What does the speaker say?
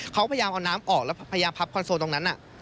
เขาพยายามเอาน้ำออกแล้วพยายามพับคอนโซลตรงนั้น